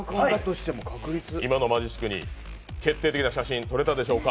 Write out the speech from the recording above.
今のマジックに決定的な写真撮れたでしょうか。